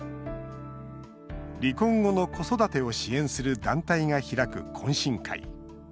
離婚後の子育てを支援する団体が開く懇親会。